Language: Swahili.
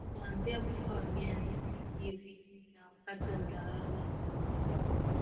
Kuanzia mwaka wa mia nne hivi na wakati wa utawala wa Roma